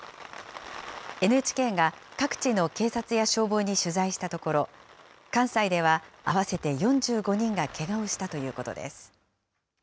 ＮＨＫが各地の警察や消防に取材したところ、関西では合わせて４５人がけがをしたということです。